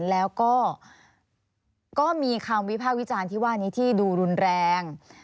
แล้วก็ก็มีคำวิภาควิจารณ์ที่ว่านี้ที่ดูรุนแรง